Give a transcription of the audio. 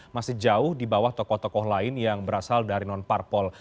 masih jauh di bawah tokoh tokoh lain yang berasal dari non parpol